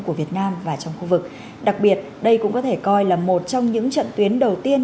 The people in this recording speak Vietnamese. của việt nam và trong khu vực đặc biệt đây cũng có thể coi là một trong những trận tuyến đầu tiên